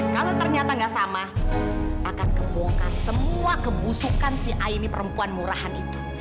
kalau ternyata nggak sama akan kebongkar semua kebusukan si aini perempuan murahan itu